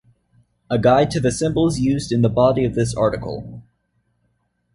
A guide to the symbols used in the body of this article.